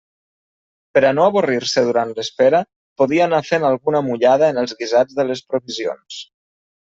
Per a no avorrir-se durant l'espera, podia anar fent alguna mullada en els guisats de les provisions.